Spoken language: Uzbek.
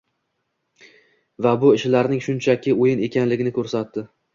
va bu ishlarning shunchaki o‘yin ekanligini ko‘rsatdi.